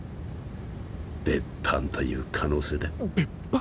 別班という可能性だ別班？